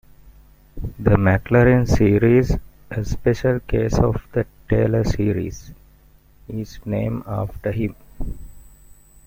The Maclaurin series, a special case of the Taylor series, is named after him.